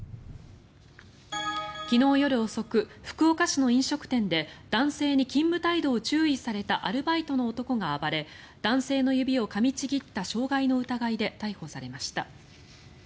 昨日夜遅く、福岡市の飲食店で男性に勤務態度を注意されたアルバイトの男が暴れ男性の指をかみちぎった傷害の疑いで逮捕されました。